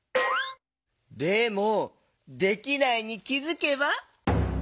でも「できないに気づけば」？